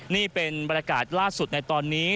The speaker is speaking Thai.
นี่เป็นบรรยากาศล่าสุดในตอนนี้